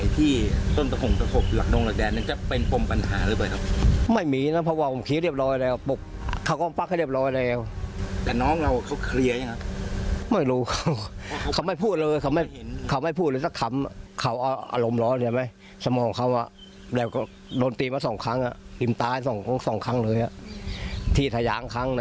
ที่น้องกับพลายพูดว่าสงสารมาก